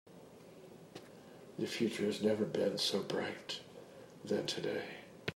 The future has never been so bright than today.